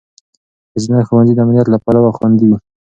ښځینه ښوونځي د امنیت له پلوه خوندي وي.